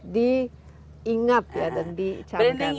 diingat dan dicangkang